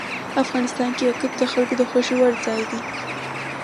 افغانستان کې یاقوت د خلکو د خوښې وړ ځای دی.